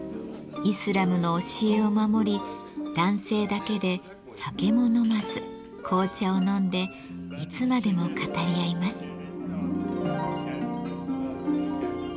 イスラムの教えを守り男性だけで酒も飲まず紅茶を飲んでいつまでも語り合います。